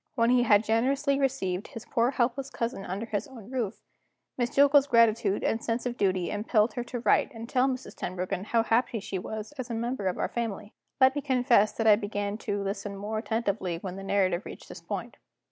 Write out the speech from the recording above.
When he had generously received his poor helpless cousin under his own roof, Miss Jillgall's gratitude and sense of duty impelled her to write and tell Mrs. Tenbruggen how happy she was as a member of our family. Let me confess that I began to listen more attentively when the narrative reached this point.